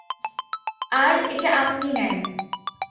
আর এটা আপনি নেন।